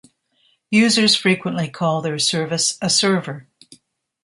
Users frequently call their service a server.